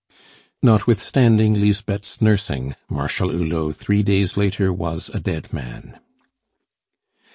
Notwithstanding Lisbeth's nursing, Marshal Hulot three days later was a dead man.